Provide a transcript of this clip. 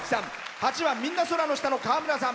８番「みんな空の下」のかわむらさん。